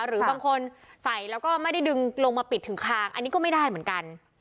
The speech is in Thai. หรือบางคนใส่แล้วก็ไม่ได้ดึงลงมาปิดถึงคางอันนี้ก็ไม่ได้เหมือนกัน